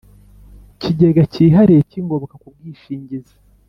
Kigega cyihariye cy ingoboka ku bwishingizi